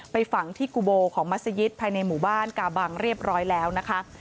ฝังที่กุโบของมัศยิตภายในหมู่บ้านกาบังเรียบร้อยแล้วนะคะ